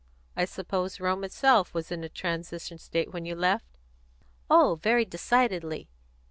I suppose Rome itself was in a transition state when you left?" "Oh, very decidedly.